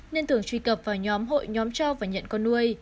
nên thường truy cập vào nhóm hội nhóm cho và nhận con nuôi